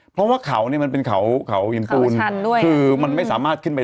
เพราะว่าเขาเนี่ยมันเป็นเขาเห็นทุนมันไม่สามารถขึ้นไปได้